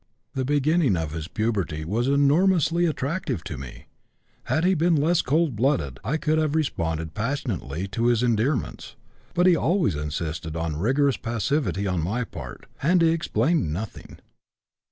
The beginning of his puberty was enormously attractive to me; had he been less cold blooded I could have responded passionately to his endearments; but he always insisted on rigorous passivity on my part, and he explained nothing.